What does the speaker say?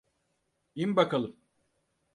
İn bakalım.